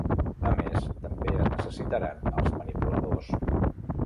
A més, també es necessitaran els manipuladors.